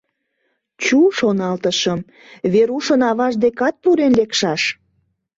«Чу, — шоналтышым, — Верушын аваж декат пурен лекшаш».